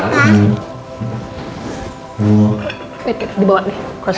mau kita tai di famed boreng